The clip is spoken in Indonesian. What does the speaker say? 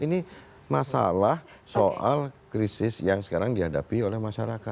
ini masalah soal krisis yang sekarang dihadapi oleh masyarakat